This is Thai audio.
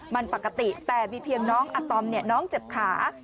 มันปกติแต่มีเพียงน้องอาตอมน้องเจ็บขา